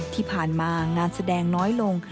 ที่ผ่านมางานแสดงน้อยลง